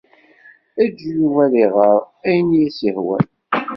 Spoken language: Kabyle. Eǧǧ Yuba ad iɣer ayen i as-yehwan.